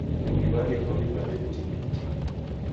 Kughiw'aghe kwa vipande vitini vitini.